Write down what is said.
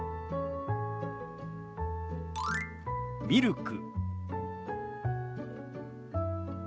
「ミルク」。